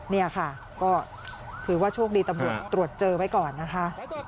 นี่ค่ะก็ถือว่าโชคดีตำรวจตรวจเจอไว้ก่อนนะคะ